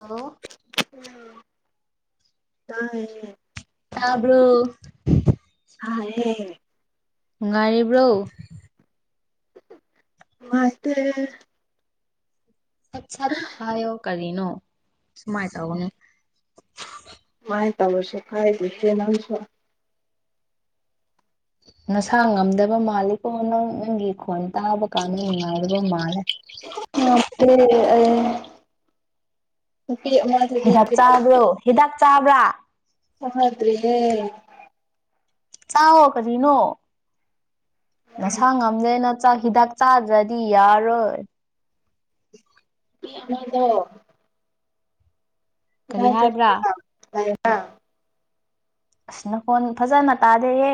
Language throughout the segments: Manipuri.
ꯍꯜꯂꯣ ꯎꯝ ꯇꯥꯏꯌꯦ ꯇꯥꯕ꯭ꯔꯣ ꯍꯥ ꯍꯥꯏꯔꯦ ꯅꯨꯡꯉꯥꯏꯔꯤꯕ꯭ꯔꯣ ꯅꯨꯡꯉꯥꯏꯇꯦ ꯁꯠ ꯁꯠ ꯍꯥꯏꯌꫭ ꯀꯔꯤꯅꯣ ꯁꯨꯃꯥꯏ ꯇꯧꯕꯅꯦ ꯃꯥꯥꯏ ꯇꯧꯔꯁꯦ ꯀꯥꯏꯗꯦꯍꯦ ꯅꯪꯁꯨ ꯅꯁꯥ ꯉꯝꯗꯕ ꯃꯥꯜꯂꯤꯀꯣ ꯅꯪ ꯅꯪꯒꯤ ꯈꯣꯟ ꯇꯥꯕ ꯀꯥꯟꯗ ꯅꯨꯡꯉꯥꯏꯗꯕ ꯃꯥꯜꯂꯦ ꯂꯧꯁꯤꯟꯕ ꯉꯝꯗꯕ ꯍꯤꯗꯥꯛ ꯆꯥꯕ꯭ꯔꯣ ꯍꯤꯗꯥꯛ ꯆꯥꯕ꯭ꯔꯥ ꯊꯣꯡꯂꯛꯇ꯭ꯔꯤꯌꯦ ꯆꯥꯎꯋꯣ ꯀꯔꯤꯅꯣ ꯅꯁꯥ ꯉꯝꯗꯦꯅ ꯆꯥꯛ ꯍꯤꯗꯥꯛ ꯆꯥꯗ꯭ꯔꯗꯤ ꯌꯥꯔꯣꯏ ꯃꯤ ꯑꯃꯗꯣ ꯀꯔꯤ ꯀꯗꯥꯏ ꯍꯥꯏꯕ꯭ꯔꯥ ꯆꯠꯄ꯭ꯔꯥ ꯀꯗꯥꯏꯗ ꯑꯁ ꯅꯈꯣꯟ ꯐꯖꯅ ꯇꯥꯗꯦꯌꯦ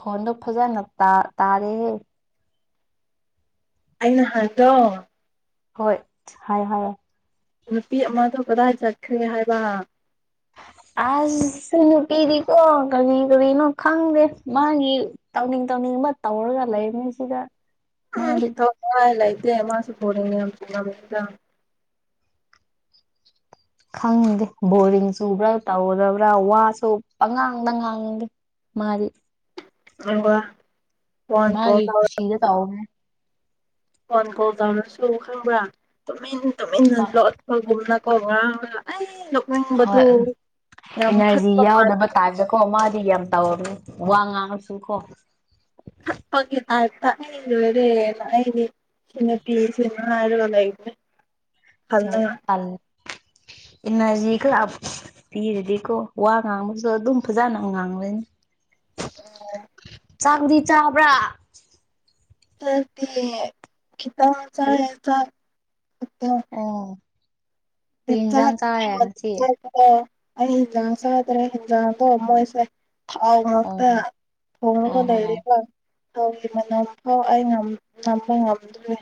ꯈꯣꯟꯗꯣ ꯐꯖꯅ ꯇꯥ ꯇꯥꯔꯦꯍꯦ ꯑꯩꯅ ꯍꯥꯏꯕꯗꯣ ꯍꯣꯏ ꯍꯥꯏ ꯍꯥꯏꯌꯦ ꯅꯨꯄꯤ ꯑꯃꯗꯣ ꯀꯗꯥꯏ ꯆꯠꯈ꯭ꯔꯦ ꯍꯥꯏꯕ ꯑꯁ ꯅꯨꯄꯤꯗꯤꯀꯣ ꯀꯔꯤ ꯀꯔꯤꯅꯣ ꯈꯪꯗꯦ ꯃꯥꯒꯤ ꯇꯧꯅꯤꯡ ꯇꯧꯅꯤꯡꯕ ꯇꯧꯔꯒ ꯂꯩꯕꯅꯤ ꯁꯤꯗ ꯎꯝ ꯃꯥꯗꯤ ꯊꯋꯥꯏ ꯂꯩꯇꯦ ꯃꯥꯁꯨ ꯕꯣꯜ ꯌꯦꯡꯅꯤꯡꯉꯝ ꯌꯦꯡꯉꯝ ꯒꯅꯤꯗ ꯈꯪꯗꯦ ꯕꯣꯔꯤꯡ ꯆꯨꯕ꯭ꯔꯥ ꯇꯧꯔꯕ꯭ꯔꯥ ꯋꯥꯁꯨ ꯄꯪꯉꯥꯡꯗ ꯉꯥꯡꯗꯦ ꯃꯥꯗꯤ ꯑꯗꯨꯒ ꯐꯣꯟ ꯀꯣꯜ ꯃꯥꯒꯤ ꯇꯧꯔ ꯈꯨꯨꯁꯤꯗ ꯇꯧꯕꯅꯦ ꯐꯣꯟ ꯀꯣꯜ ꯇꯧꯔꯁꯨ ꯈꯪꯕ꯭ꯔꯥ ꯇꯨꯃꯤꯟ ꯇꯨꯃꯤꯟꯅ ꯍꯣꯏ ꯂꯣꯠꯄꯒꯨꯝꯅꯀꯣ ꯉꯔꯥꯡꯅ ꯑꯩ ꯍꯣꯏ ꯅꫭꯛꯅꯤꯡꯕꯗꫭ ꯌꯥꯝ ꯈꯠꯄ ꯃꯥꯜ ꯇꯥꯏꯕꯗ ꯀꫭ ꯃꯥꯗꯤ ꯌꯥꯝ ꯇꯧꯔꯕꯅꯤ ꯋꯥ ꯉꯥꯡꯉꯁꯨꯀꯣ ꯄꯪꯒꯤ ꯇꯥꯏꯞꯇ ꯑꯩ ꯂꫭꯏꯔꯦꯅ ꯑꯩꯗꯤ ꯍꯦꯟꯗꯛꯇꯤ ꯁꯤ ꯃꯥ ꯉꯥꯏꯔꯒ ꯂꯩꯌꯦ ꯊꯝꯅꯉꯥꯢ ꯇꯜ ꯏꯅꯔꯖꯤꯒ [unintelligible] ꯄꯤꯔꯥꯗꯤꯀꯣ ꯋꯥ ꯉꯥꯡꯕꯖꯨ ꯑꯗꯨꯝ ꯐꯖꯥꯅ ꯉꯥꯡꯂꯅꯤ ꯆꯥꯛꯗꯤ ꯆꯥꯕ꯭ꯔ [unintelligible] ꯈꯤꯇꯪ [unintelligible] ꯑꯣ ꯀ꯭ꯔꯤ ꯏꯟꯖꯥꯡ ꯆꯥꯔꯦ ꯉꯁꯤ ꯑꯣ ꯑꯩ ꯍꯟꯖꯥꯡ ꯆꯥꯗ꯭ꯔꯦ ꯍꯟꯖꯥꯡ ꯗꯣ ꯃꯣꯏꯁꯦ ꯊꯥꯎ ꯉꯥꯛꯇ ꯑꯣ ꯊꯣꯡꯉꯒꯥ ꯑꯣ ꯍꯣ ꯂꯩꯔꯦꯕ ꯊꯥꯎꯒꯤ ꯃꯅꯝ ꯐꯥꯎ ꯑꯩ ꯉꯝ ꯅꯝꯕ ꯉꯝꯗ꯭ꯔꯦ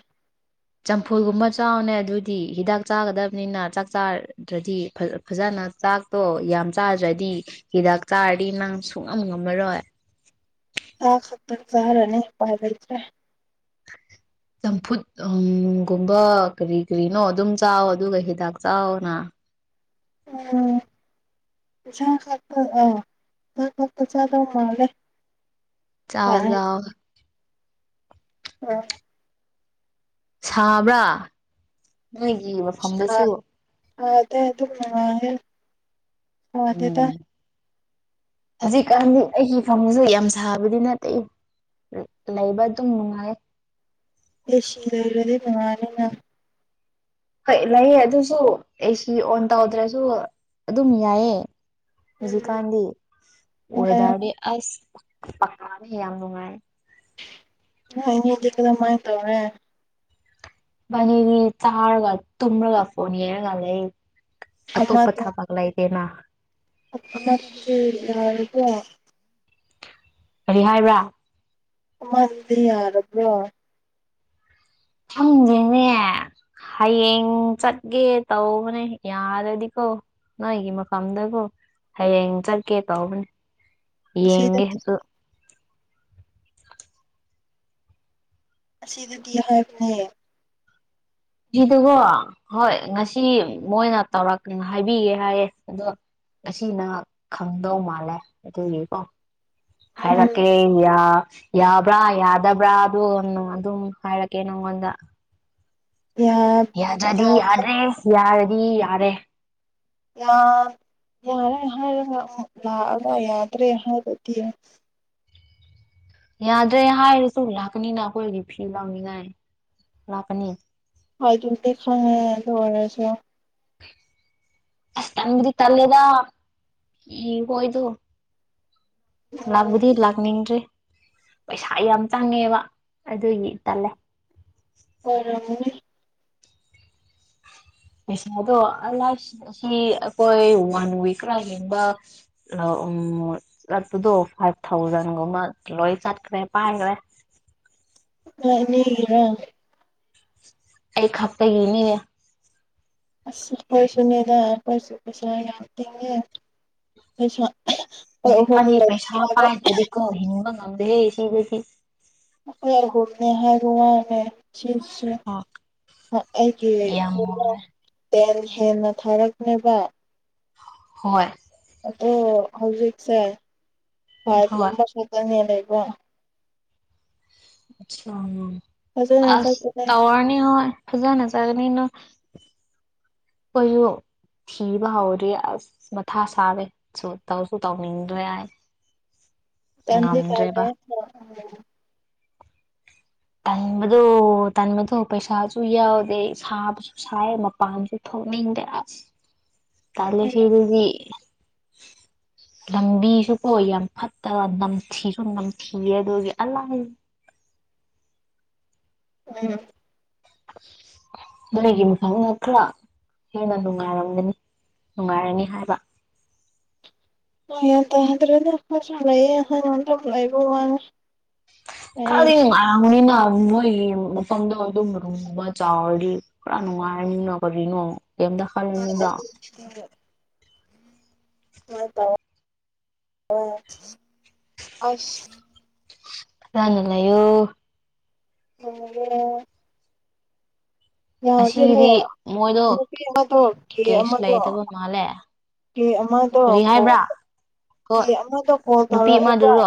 ꯆꯝꯐꯨꯜꯒꯨꯝꯕ ꯆꯥꯎꯅꯦ ꯑꯗꯨꯗꯤ ꯍꯤꯗꯥꯛ ꯆꯥꯒꯗꯝꯅꯤꯅ ꯆꯥꯛ ꯆꯥꯔ ꯗ꯭ꯔꯥꯗꯤ ꯐꯖꯥ-ꯐꯖꯅ ꯆꯥꯛꯇꯣ ꯌꯥꯝ ꯆꯥꯗ꯭ꯔꯗꯤ ꯍꯤꯗꯥꯛ ꯆꯥꯔꯗꯤ ꯅꯪ ꯁꯨꯡꯉꯝ ꯉꯝꯃꯔꯣꯏ ꯆꯥꯛ ꯈꯛ ꯇꯪ ꯆꯥꯔꯅꯤ ꯎꯄꯥꯏ ꯂꯩꯇꯔꯦ ꯆꯝꯐꯨꯠꯒꯨꯝꯕ ꯀꯔꯤ ꯀꯔꯤꯅꯣ ꯑꯗꯨꯝ ꯆꯥꯎ ꯑꯗꯨꯒ ꯍꯤꯗꯥꯛ ꯆꯥꯎꯅ ꯎꯝ ꯏꯟꯁꯥꯡ ꯈꯛꯇ ꯑ ꯆꯥꯛ ꯈꯛꯇ ꯆꯥꯗꯧ ꯃꯥꯜꯂꯦ ꯆꯥꯎ ꯎꯄꯥꯏ ꯆꯥꯎ ꯑ ꯁꯥꯕ꯭ꯔꯥ ꯅꯣꯏꯒꯤ ꯁꯥ ꯃꯥꯐꯝꯗꯁꯨ ꯁꯥꯗꯦ ꯑꯗꯨꯝ ꯅꯨꯡꯉꯥꯏꯌꯦ ꯋꯥꯗꯦꯗ ꯎꯝ ꯍꯧꯖꯤꯛꯀꯥꯟꯗꯤ ꯑꯩꯒꯤ ꯐꯝꯃꯨꯡꯖꯦ ꯌꯥꯝ ꯁꯥꯕꯗꯤ ꯅꯠꯇꯦ ꯂꯩꯕ ꯑꯗꯨꯝ ꯅꯨꯡꯉꯥꯏꯌꯦ ꯑꯦꯁꯤ ꯂꯩꯔꯗꯤ ꯅꯨꯡꯉꯥꯏꯅꯤꯅ ꯍꯣꯏ ꯂꯩꯌꯦ ꯑꯗꯨꯁꯨ ꯑꯦ ꯁꯤ ꯑꯣꯟ ꯇꯧꯗ꯭ꯔꯥꯁꯨ ꯑꯗꯨꯝ ꯌꯥꯏꯌꯦ ꯍꯧꯖꯤꯛꯀꯥꯟꯗꯤ ꯅꯨꯡꯉꯥꯏꯔꯝꯅꯤ ꯋꯦꯗꯔꯗꯤ ꯑꯁ ꯄꯛꯀꯥꯅꯤ ꯌꯥꯝ ꯅꯨꯡꯉꯥꯏ ꯅꫭꯏ ꯅꯤꯗꯤ ꯀꯔꯝꯃꯥꯥꯏ ꯇꯧꯔꯦ ꯏꯕꯥꯅꯤꯗꯤ ꯆꯥꯔꯒ ꯇꯨꯝꯔꯒ ꯐꯣꯟ ꯌꯦꯡꯉꯒ ꯂꯩ ꯑꯇꯣꯞꯄ ꯊꯕꯛ ꯂꯥꯏꯇꯦꯅ ꯌꯥꯔꯕ ꯀ꯭ꯔꯤ ꯍꯥꯏꯕ꯭ꯔꯥ ꯃꯗꯤ ꯌꯥꯔꯕ ꯈꯪꯗꯦꯅꯦ ꯍꯌꯦꯡ ꯆꯠꯒꯦ ꯇꯧꯕꯅꯦ ꯌꯥꯔꯗꯤꯀꯣ ꯅꯣꯏꯒꯤ ꯃꯐꯝꯗꯀꯣ ꯍꯌꯦꯡ ꯆꯠꯀꯦ ꯇꯧꯕꯅꯦ ꯌꯦꯡꯒꯦ ꯑꯁꯤꯗꯗꯤ ꯑꯗꯨ ꯑꯁꯤꯗꯗꯤ ꯍꯥꯏꯕꯅꯦ ꯏꯗꯨꯒꯣ ꯍꯣꯏ ꯉꯁꯤ ꯃꯣꯏꯅ ꯇꯧꯔꯛꯀꯦꯅ ꯍꯥꯏꯕꯤꯒꯦ ꯍꯥꯏꯌꯦ ꯑꯗꯣ ꯉꯁꯤꯅ ꯈꯪꯗꯧ ꯃꯥꯜꯂꯦ ꯑꯗꯨꯒꯤꯀꯣ ꯎꯝ ꯍꯥꯏꯔꯛꯀꯦ ꯑꯦ ꯌꯥ ꯌꯥꯕ꯭ꯔꯥ ꯌꯥꯗꯕ꯭ꯔꯥ ꯑꯗꯨ ꯑꯗꯨꯝ ꯍꯥꯏꯔꯛꯀꯦ ꯅꯪꯉꯣꯟꯗ ꯌꯥꯝ ꯌꯥꯗ꯭ꯔꯗꯤ ꯌꯥꯗ꯭ꯔꯦ ꯌꯥꯔꯗꯤ ꯌꯥꯔꯦ ꯌꯥ ꯌꯥꯔꯦ ꯍꯥꯏꯔꯒ ꯑꯃꯨꯛ ꯂꯥꯛꯑꯒ ꯌꯥꯗ꯭ꯔꯦ ꯍꯥꯏꯔꯗꯤ ꯌꯥꯗ꯭ꯔꯦ ꯍꯥꯏꯔꯁꯨ ꯂꯥꯛꯀꯅꯤꯅ ꯑꯩꯈꯣꯏꯒꯤ ꯐꯤ ꯂꯥꯎꯅꯤꯉꯥꯏ ꯂꯥꯛꯀꯅꯤ ꯍꯣꯏ ꯑꯗꯨꯝꯗꯤ ꯈꯪꯉꯦ ꯑꯗꯨ ꯑꯣꯏꯔꯁꯨ ꯑꯁ ꯇꯟꯕꯗꯤ ꯇꯜꯂꯦꯗ ꯏ ꯈꯣꯏꯗꯨ ꯎꯝ ꯂꯥꯛꯕꯨꯗꯤ ꯂꯥꯛꯅꯤꯡꯗ꯭ꯔꯤ ꯄꯩꯁꯥ ꯌꯥꯝ ꯆꯪꯉꯦꯕ ꯑꯗꯨꯒꯤ ꯇꯜꯂꯦ ꯑꯣꯏꯔꯝꯅꯤ ꯄꯩꯁꯥꯗꯣ ꯂꯥꯏ ꯑꯁꯤ ꯑꯩꯈꯣꯏ ꯋꯥꯟ ꯋꯤꯛ ꯈꯔ ꯍꯦꯟꯕ ꯎꯝ ꯆꯠꯄꯗꯣ ꯐꯥꯏꯚ ꯊꯥꯎꯖꯟꯒꯨꯝꯕ ꯂꯣꯏ ꯆꯠꯈ꯭ꯔꯦ ꯄꯥꯏꯈ꯭ꯔꯦ ꯅꯣꯏ ꯑꯅꯤꯒꯤꯔꯥ ꯑꯩ ꯈꯛꯇꯒꯤꯅꯤ ꯑꯁ ꯑꯈꯣꯏꯁꯨꯅꯤꯗ ꯑꯈꯣꯏꯁꯨ ꯄꯩꯁꯥ ꯌꯥꯝ ꯇꯤꯡꯉꯦ ꯄꯩꯁꯥ ꯑꯩꯈꯣꯏ ꯑꯍꯨꯝ ꯍꯧꯖꯤꯛꯀꯥꯟꯗꯤ ꯂꯩ ꯄꯩꯁꯥ ꯍꯥꯏꯕ ꯄꯥꯏꯗ꯭ꯔꯗꯤ ꯀꯣ ꯍꯤꯡꯕ ꯉꯝꯗꯦ ꯁꯤꯗꯗꯤ [unintelligible] ꯁꯤ ꯁ ꯑꯣ ꯑ ꯑꯩꯒꯤ ꯌꯥꯝ ꯋꯥꯔꯦ ꯇꯦꯜ ꯍꯦꯟꯅ ꯊꯥꯔꯛꯅꯦꯅꯕ ꯍꯣꯏ ꯑꯗꯣ ꯍꯧꯖꯤꯛꯁꯦ ꯐꯥꯏꯜ ꯍꯣꯏ ꯒꯨꯝꯕ ꯁꯨꯗꯅꯦ ꯂꯩꯕ ꯐꯖꯅ ꯑꯁ ꯆꯠꯄꯅꯦ ꯇꯥꯑꯣꯔ ꯍꯤꯉꯣꯏ ꯐꯖꯅ ꯖꯥꯒꯅꯤꯅꯣ ꯈꯣꯏꯁꯨ ꯊꯤꯕ ꯍꯧꯔꯦ ꯑꯁ ꯃꯊꯥ ꯁꯥꯔꯦ ꯁ ꯇꯧꯁꯨ ꯇꯧꯅꯤꯡꯗ꯭ꯔꯦ ꯍꯥꯏ [inaudible] ꯇꯟꯗꯤ ꯇꯜꯂꯦ꯫ ꯇꯟꯕꯗꯣ ꯇꯟꯕꯗꯣ ꯄꯩꯁꯥꯁꯨ ꯌꯥꯎꯗꯦ ꯁꯥꯕꯁꯨ ꯁꯥꯏ ꯃꯄꯥꯟꯁꯨ ꯊꯣꯛꯅꯤꯡꯗꯦ ꯑꯁ ꯇꯜꯂꯦ ꯁꯤꯗꯗꯤ [inaudible] ꯂꯝꯕꯤꯁꯨ ꯄꯣ ꯌꯥꯝ ꯐꯠꯇꯕ ꯅꯝꯊꯤꯁꯨ ꯅꯝꯊꯤꯑꯦ ꯑꯗꯨꯒꯤ ꯑꯂꯥꯏ ꯎꯝ [inaudible] ꯅꯣꯏꯒꯤ ꯈꯔ ꯍꯦꯟꯅ ꯅꯨꯡꯉꯥꯏꯔꯝꯒꯅꯤ ꯅꯨꯡꯉꯥꯏꯔꯅꯤ ꯍꯥꯏꯕ ꯍꯣꯏ ꯌꯥꯟ ꯇꯥꯗ꯭ꯔꯥꯅ ꯑꯈꯣꯏꯁꯨ ꯂꯩꯌꯦ ꯍꯣꯌꯥꯝ ꯂꯩꯕꯩ ꯋꯥꯅꯦ꯫ ꯈꯗꯤꯅꯨꯡ ꯃꯅꯤꯅ ꯃꯣꯏ ꯃꯐꯝꯗꯣ ꯑꯗꯨꯝ ꯔꯨꯕ ꯆꯥꯎꯔꯤ ꯄꯨꯔꯥ ꯅꯨꯡꯉꯥꯏꯔꯤꯅꯣ ꯀꯔꯤꯅꯣ ꯀꯝꯗ [unintelligible] ꯃ ꯇ ꯑ ꯑꯁ ꯅꯨꯪꯉꯥꯏꯅ ꯂꯩꯌꯣ ꯫ ꯑꯣ ꯌꯥꯗ꯭ꯔꯦꯍꯦ ꯉꯁꯤꯗꯤ ꯃꯣꯏꯗꯣ ꯑꯃꯥꯄꯤ ꯉꯛꯇ꯭ꯔꯣ ꯒꯦ ꯀꯦꯁ ꯑꯃꯒ ꯂꯩꯇꯕ ꯃꯥꯜꯂꯦ ꯀꯦ ꯑꯃꯗꯣ ꯀꯔꯤ ꯀꯣꯜ ꯍꯥꯏꯕ꯭ꯔꯥ ꯍꯣꯏ ꯀꯦ ꯑꯃꯗꯣ ꯀꯣꯜ ꯅꯨꯄꯤ ꯇꯧꯔꯛꯑꯦꯕ ꯑꯃꯗꯨꯔꯣ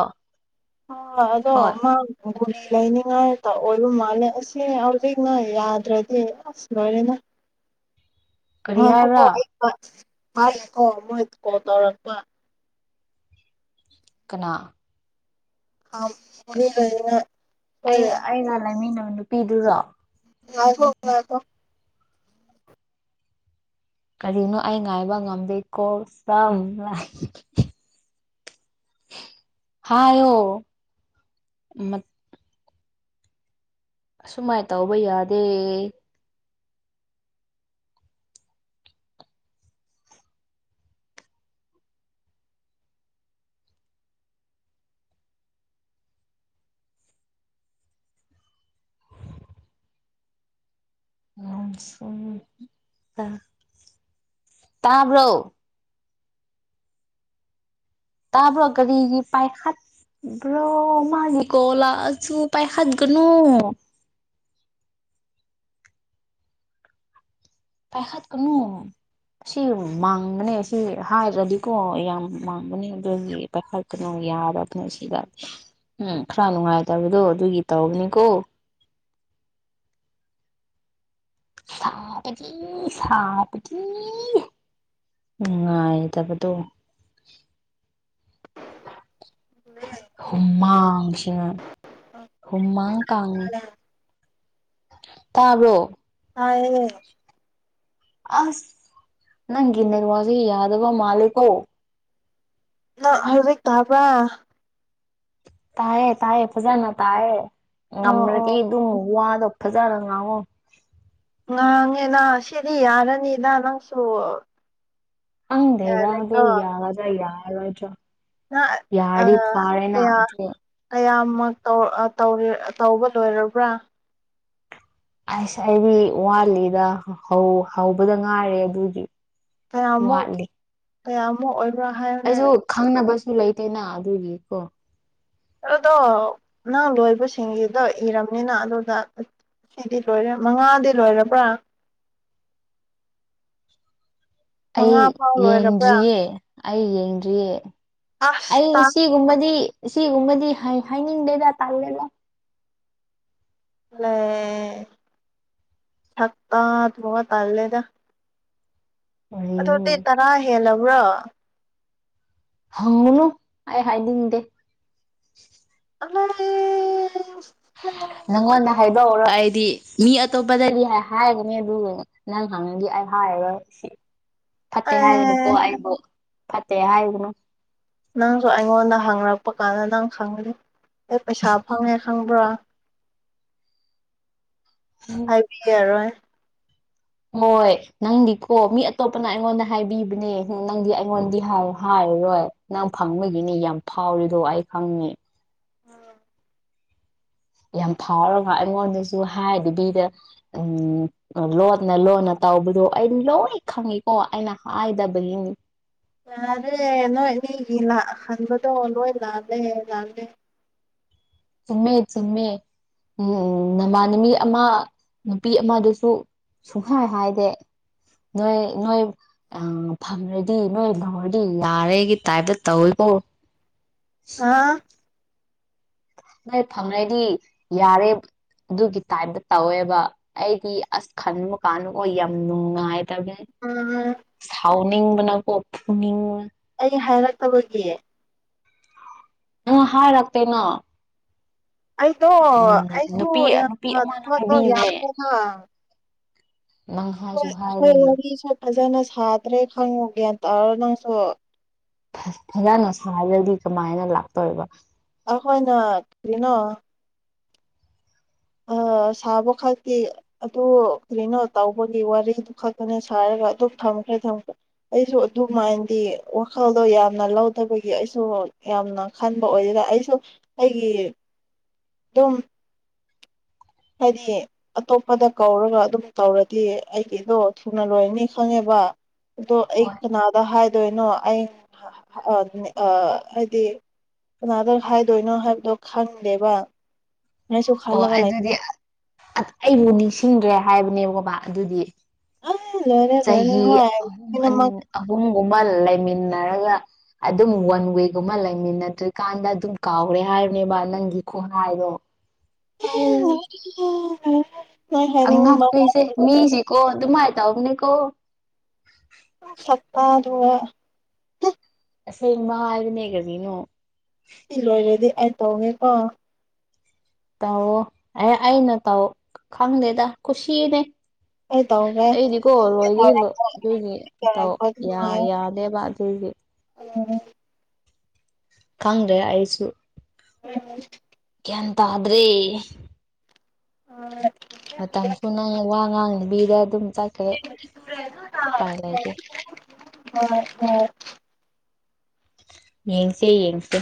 ꯍꯣ ꯍꯣꯏ ꯑꯗꯣ ꯃꯥ ꯒꯨꯔꯤ ꯂꯩꯅꯤꯡꯉꯥꯏꯇ ꯑꯣꯏꯕ ꯃꯥꯜꯂꯦ ꯑꯁꯤꯅꯤ ꯍꯧꯖꯤꯛ ꯅꫭꯏ ꯌꯥꯗ꯭ꯔꯗꯤ ꯑꯁ ꯂꯣꯏꯔꯦꯅ [inaudible] ꯀꯔꯤ ꯉꯥꯏꯈꯣꯀꯣ ꯍꯥꯏꯕ꯭ꯔꯥ ꯑꯩ ꯃꯥ ꯍꯥꯏꯒꯦ ꯀꯣ ꯃꯣꯏ ꯀꯣꯜ ꯇꯧꯔꯛꯄ ꯀꯅꯥ [unintelligible] ꯍꯣꯏ ꯑꯩ-ꯑꯩꯅ ꯂꯩꯃꯤꯟꯅꯕ ꯅꯨꯄꯤꯗꯨꯔꯣ? ꯉꯏꯈꯣ ꯉꯥꯏꯈꯣ ꯀꯔꯤꯅꯣ ꯑꯩ ꯉꯥꯏꯕ ꯉꯝꯗꯦꯀꯣ ꯁꯝ ꯍꯥꯏꯌꯣ ꯃꯠ ꯑꯁꯨꯃꯥꯏ ꯇꯧꯕ ꯌꯥꯗꯦ꯫ ꯇꯕ꯭ꯔꯣ ꯇꯥꯕꯔꯣ ꯑꯗꯨꯅ ꯄꯥꯏꯈꯠ ꯕ꯭ꯔꯣ ꯃꯥꯒꯤ ꯀꯣꯂꯥꯛꯑꯁꯨ ꯄꯥꯏꯈꯠꯒꯅꯨ ꯄꯥꯏꯀꯠ ꯀꯥꯅꯨ ꯁꯤ ꯃꯥꯡꯒꯅꯦ ꯁꯤ ꯍꯥꯏꯔꯗꯤꯀꯣ ꯌꯥꯝ ꯃꯥꯡꯒꯅꯤ ꯑꯗꯨꯗꯤ ꯄꯩꯈꯥ ꯀꯩꯅꯨꯡꯒꯤ ꯌꯥꯗꯕꯅꯦ ꯁꯤꯗ ꯎꯝ ꯈꯔ ꯅꯨꯡꯉꯥꯏꯇꯕꯗꯣ ꯑꯗꯨꯒꯤ ꯇꯧꯕꯅꯤꯀꯣ ꯁꯥꯕꯗꯤ-ꯁꯥꯕꯗꯤ ꯅꯨꯡꯉꯥꯏꯇꯕꯗꯣ ꯍꯨꯃꯥꯡꯁ ꯍꯨꯃꯥ ꯀꯥꯡ ꯇꯥꯕ꯭ꯔꯣ ꯇꯥꯏꯌꯦ꯫ ꯑꯁ ꯅꯪꯒꯤ ꯅꯦꯋꯥꯛꯖꯦ ꯌꯥꯗꯕ ꯃꯥꯜꯂꯦꯀꯣ ꯅ ꯍꯧꯖꯤꯛ ꯇꯥꯕ꯭ꯔꯥ ꯇꯥꯏꯌꯦ ꯇꯥꯏꯌꯦ ꯐꯖꯥꯅ ꯇꯥꯏꯌꯦ ꯑꯣ ꯉꯝꯔꯗꯤ ꯑꯣ ꯑꯗꯨꯝ ꯃꯨꯋꯥꯗꫭ ꯐꯖꯥꯅ ꯉꯥꯡꯉꯣ ꯉꯥꯡꯉꯦꯅ ꯁꯤꯗꯤ ꯌꯥꯔꯅꯤꯗ ꯅꯪꯁꯨ ꯑꯪꯗ꯭ꯔꯦꯗ ꯑꯗꯣ ꯌꯥꯔꯦꯀꯣ ꯌꯥꯒꯥꯗ꯭ꯔꯥ ꯌꯥꯔꯣꯢꯗ꯭ꯔꯥ ꯅꯥ [unintelligible] ꯑꯥ ꯀꯌꯥ ꯑꯗꯨ ꯀꯌꯥꯝꯃꯛ ꯇꯧ-ꯇꯧꯔꯦ-ꯇꯧꯕ ꯂꯣꯏꯔꯥꯕ꯭ꯔꯥ ꯑꯁ ꯑꯩꯗꯤ ꯋꯥꯠꯂꯤꯗ ꯍꯧ-ꯍꯧꯕꯗ ꯉꯥꯏꯔꯦ ꯑꯗꯨꯒꯤ ꯋꯥꯠꯂꯤ ꯀꯌꯥꯃꯨꯛ-ꯀꯌꯥꯃꯨꯛ ꯑꯣꯏꯕ꯭ꯔꯥ ꯍꯥꯏꯌꯣꯅꯦ ꯑꯩꯁꯨ ꯈꯪꯅꯕꯁꯨ ꯂꯩꯇꯦꯅ ꯑꯗꯨꯒꯤ ꯀꯣ ꯑꯗꯣ ꯅꯪ ꯂꯣꯏꯕꯁꯤꯡꯒꯤꯗꯣ ꯏꯔꯝꯃꯤꯅ ꯑꯗꯨꯗ ꯁꯤꯗꯤ ꯂꯣꯏꯔꯦ ꯃꯉꯥꯗꯤ ꯂꯣꯏꯔꯕ꯭ꯔꯥ ꯑꯩ ꯃꯉꯥ ꯐꯥꯎ ꯂꯣꯏꯔꯕ꯭ꯔꯥ ꯌꯦꯡꯗ꯭ꯔꯤꯌꯦ ꯑꯩ ꯌꯦꯡꯗ꯭ꯔꯤꯌꯦ ꯑꯁ ꯑꯩ ꯉꯁꯤ ꯒꯨꯝꯕꯗꯤ ꯁꯤꯒꯨꯝꯕꯗꯤ ꯍꯥꯏ ꯍꯥꯏꯅꯤꯡꯗꯦꯗ ꯇꯜꯂꯦꯗ ꯂꯩꯌꯦ ꯁꯥꯛꯇꯥꯗꯨꯒꯥ ꯇꯜꯂꯦꯗ ꯋꯥꯍꯩ [unintelligible] ꯑꯗꯨꯗꯤ ꯇꯔꯥ ꯍꯦꯂꯕ꯭ꯔꯣ ꯍꯪꯉꯨꯅꯨ ꯑꯩ ꯍꯥꯏꯅꯤꯡꯗꯦ ꯑ [unintelligible] ꯅꯪꯑꫭꯟꯗ ꯍꯥꯏꯗꯣꯛꯎꯔꯣꯏ ꯑꯩꯗꯤ ꯃꯤ ꯑꯇꯣꯞꯄꯗꯗꯤ ꯍꯥꯏꯒꯅꯤ ꯑꯗꯨꯒ ꯅꯪ ꯍꯪꯉꯗꯤ ꯑꯩ ꯍꯥꯏꯔꯔꯣꯏ ꯁꯤ ꯐꯠꯇꯦ ꯍꯥꯏꯒꯅꯨꯀꯣ ꯑꯩꯕꯨ ꯐꯠꯇꯦ ꯍꯥꯏꯒꯅꯨ ꯅꯪꯁꯨ ꯑꯩꯉꯣꯟꯗ ꯍꯪꯉꯔꯛꯄ ꯀꯥꯟꯗ ꯅꯪ ꯈꯪꯉꯗꯤ ꯑꯦ ꯄꯩꯁꯥ ꯐꯪꯉꯦ ꯈꯪꯕ꯭ꯔꯥ ꯄꯤꯌꯔꯣꯏ [unintelligible] ꯍꯣꯏ ꯅꯪꯗꯤꯀꯣ ꯃꯤ ꯑꯇꯣꯞꯄꯅ ꯑꯩꯉꯣꯟꯗ ꯍꯥꯏꯕꯤꯕꯅꯦ ꯅꯪꯗꯤ ꯑꯩꯉꯣꯟꯗꯤ ꯍꯥꯏ-ꯍꯥꯏꯔꯣꯏ ꯅꯪ ꯐꯪꯕꯒꯤꯅꯤ ꯌꯥꯝ ꯐꯥꯎꯔꯤꯗꯣ ꯑꯩ ꯈꯪꯉꯦ [unintelligible] ꯌꯥꯝ ꯐꯥꯎꯔꯒ ꯑꯩꯉꯣꯟꯗꯁꯨ ꯍꯥꯏꯗꯕꯤꯗ ꯎꯝ ꯂꯣꯟꯠꯅ ꯂꯣꯟꯠꯅ ꯇꯧꯕꯗꯣ ꯑꯩ ꯂꯣꯏ ꯈꯪꯉꯤꯀꯣ ꯑꯩꯅ ꯍꯥꯏꯗꯕꯒꯤꯅꯤ ꯌꯥꯔꯦ ꯅꯣꯏꯃꯤꯒꯤ ꯂꯥꯛꯍꯟꯕꯗꯣ ꯂꯣꯏ ꯂꯥꯜꯂꯦ ꯂꯥꯜꯂꯦ ꯆꯨꯝꯃꯦ-ꯆꯨꯝꯃꯦ ꯎꯝ ꯅꯃꯥꯟꯅꯕꯤ ꯑꯃ ꯅꯨꯄꯤ ꯑꯃꯗꯨꯁꯨ ꯁꯨꯡꯍꯥꯏ ꯍꯥꯏꯗꯦ ꯅꯣꯏ-ꯅꯣꯏ ꯑ ꯐꯪꯔꯗꯤ ꯅꯣꯏ ꯂꯧꯔꯗꯤ ꯌꯥꯔꯦꯒꯤ ꯇꯥꯏꯞꯇ ꯇꯧꯋꯤꯀꫭ ꯍꯥ ꯅꫭꯏ ꯐꯪꯔꯗꯤ ꯌꯥꯔꯦ ꯑꯗꯨꯒꯤ ꯇꯥꯏꯞꯇ ꯇꯧꯋꯦꯕ ꯑꯩꯗꯤ ꯑꯁ ꯈꯟꯕ ꯀꯥꯟꯗ ꯑꯣꯏ ꯌꯥꯝ ꯅꯨꯡꯉꯥꯏꯇꯝꯅꯦ ꯎꯝ ꯁꯥꯎꯅꯤꯡꯕꯅꯀꯣ ꯐꯨꯅꯤꯡꯕꯅ ꯑꯩ ꯍꯥꯏꯔꯛꯇꯕꯒꯤ ꯎꯝ ꯍꯥꯏꯔꯛꯇꯦꯅꯥ ꯑꯩꯗꯣ ꯑꯩꯗꯣ ꯅꯨꯄꯤ ꯅꯨꯄꯤ ꯌꯥꯝꯅ ꯑꯃꯅ ꯊꯕꯛꯇꯣ ꯍꯥꯏꯕꯤꯕꯅꯦ ꯌꯥꯝꯃ‌ꯦꯅ ꯅꯪ ꯍꯣꯏ ꯍꯥꯏꯁꯨ ꯑꯩꯈꯣꯏ ꯍꯥꯏꯗꯅ ꯋꯥꯔꯤꯁꯨ ꯐꯖꯅ ꯁꯥꯗ꯭ꯔꯦ ꯈꯪꯉꯨ ꯒ꯭ꯌꯥꯟ ꯇꯥꯔꯣ ꯅꯪꯁꯨ ꯐꯖꯅ ꯁꯥꯗꯔꯗꯤ ꯀꯃꯥꯏꯅ ꯂꯥꯛꯇꯣꯏꯕ ꯑꯈꯣꯏꯅ ꯀ꯭ꯔꯤꯅꯣ ꯑꯥ ꯁꯥꯕ ꯈꯛꯀꯤ ꯑꯗꯨ ꯀꯔꯤꯅꯣ ꯇꯧꯕꯒꯤ ꯋꯥꯔꯤꯗꯨ ꯈꯛꯇꯅꯦ ꯁꯥꯔꯒ ꯑꯗꯨꯝ ꯊꯝꯈ꯭ꯔꯦ ꯊꯝꯈ꯭ꯔꯦ ꯑꯩꯁꯨ ꯑꯗꯨꯃꯥꯏꯅꯗꯤ ꯋꯥꯈꯜꯗꯣ ꯌꯥꯝꯅ ꯂꯧꯗꯕꯒꯤ ꯑꯩꯁꯨ ꯌꯥꯝꯅ ꯈꯟꯕ ꯑꯣꯏꯔꯒ ꯑꯩꯁꯨ ꯑꯩꯒꯤ ꯑꯗꯨꯝ ꯍꯥꯏꯗꯤ ꯑꯇꯣꯞꯄꯗ ꯀꯧꯔꯒ ꯑꯗꯨꯝ ꯇꯧꯔꯗꯤ ꯑꯩꯒꯤꯗꯣ ꯊꯨꯅ ꯂꯣꯏꯔꯅꯤ ꯈꯪꯉꯦꯕ ꯑꯗꯣ ꯑꯩ ꯍꯣꯏ ꯀꯅꯥꯗ ꯍꯥꯏꯗꯣꯏꯅꯣ ꯑꯩ ꯑ ꯍꯥꯏꯗꯤ ꯀꯅꯥꯗ ꯍꯥꯏꯗꯣꯏꯅꯣ ꯍꯥꯏꯕꯗꯣ ꯈꯪꯗꯦꯕ ꯑꯩꯁꯨ ꯑꯣ ꯈꯜꯂꯒ ꯑꯗꯨꯗꯤ ꯂꯩꯕꯅꯦ ꯑ ꯑꯩꯕꯨ ꯅꯤꯡꯁꯤꯡꯗ꯭ꯔꯦ ꯍꯥꯏꯕꯅꯦꯕꯀꯣ ꯃꯥ ꯑꯗꯨꯗꯤ ꯑ ꯂꯣꯏꯔꯦ ꯂꯣꯏꯔꯦ ꯆꯍꯤ ꯍꯣꯏ ꯑꯍꯨꯝ ꯑꯩꯅ ꯑꯍꯨꯝꯒꯨꯝꯕ ꯂꯩꯃꯤꯟꯅꯔꯒ ꯑꯗꯨꯝ ꯋꯥꯟ ꯋꯦꯒꯨꯝꯕ ꯂꯩꯃꯤꯟꯅꯗ꯭ꯔꯤꯀꯥꯟꯗ ꯑꯗꯨꯝ ꯀꯥꯎꯔꯦ ꯍꯥꯏꯕꯅꯦꯕ ꯅꯪꯒꯤ ꯈꯨꯣꯡꯅꯥꯥꯏꯗꯣ [unintelligible] [unintelligible] ꯍꯥꯏꯅꯤꯡꯕ ꯑꯉꯛꯄꯤꯁꯦ ꯃꯤꯁꯤꯀꯣ ꯑꯗꯨꯃꯥꯏ ꯇꯧꯕꯅꯦꯀꯣ ꯁꯛꯇꯥꯗꯨꯒ ꯑꯁꯦꯡꯕ ꯍꯥꯏꯕꯅꯦ ꯀꯔꯤꯅꯣ ꯁꯤ ꯂꯣꯏꯔꯗꯤ ꯑꯩ ꯇꯧꯒꯦꯀꯣ ꯇꯧ ꯑꯦ ꯑꯩꯅ ꯇꯧ ꯈꯪꯗꯦꯗ ꯈꯨꯨꯁꯤꯅꯦ ꯑꯩ ꯇꯧꯒꯦ ꯑꯩꯗꯤꯀꯣ ꯂꯣꯏꯒꯤ-ꯂꯣꯏ ꯑꯗꯨꯒꯤ ꯇꯧ ꯇꯧꯔꯛꯄ ꯅꯨꯡꯉꯥꯏ ꯌꯥ-ꯌꯥꯅꯦꯕ ꯑꯗꯨꯒꯤ ꯎꯝ ꯈꯪꯗ꯭ꯔꯦ ꯑꯩꯁꯨ ꯍꯣꯏ ꯍꯣꯏ ꯒ꯭ꯌꯥꯟ ꯇꯥꯗ꯭ꯔꯦ ꯑꯥ ꯃꯇꯝꯁꯨ ꯅꯪ ꯋꯥ ꯉꯥꯡꯕꯤꯗ ꯑꯗꯨꯝ ꯆꯠꯈ꯭ꯔꯦ ꯎꯄꯥꯏ ꯂꯩꯇꯦ ꯍꯣꯏ ꯍꯣꯏ ꯌꯦꯡꯁꯦ-ꯌꯦꯡꯁꯦ